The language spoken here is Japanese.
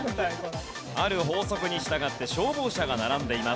ある法則に従って消防車が並んでいます。